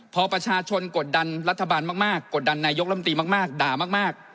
พอประชาชนกดดันรัฐบาลมากกดดันนายกรรมตรีมากด่ามาก